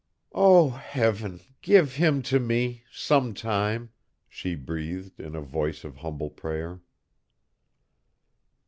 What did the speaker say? "Oh, Heaven, give him to me some time!" she breathed in a voice of humble prayer.